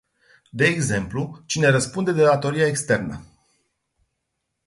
De exemplu cine răspunde de datoria externă.